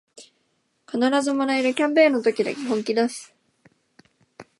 必ずもらえるキャンペーンの時だけ本気だす